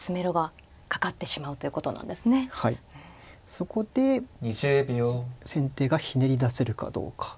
そこで先手がひねり出せるかどうか。